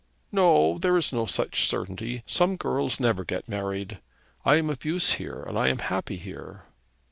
'No; there is no such certainty. Some girls never get married. I am of use here, and I am happy here.'